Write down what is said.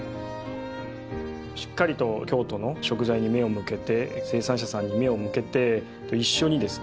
しっかりと京都の食材に目を向けて生産者さんに目を向けて一緒にですね